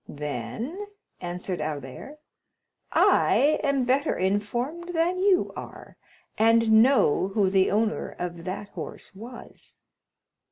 "Then," answered Albert, "I am better informed than you are, and know who the owner of that horse was."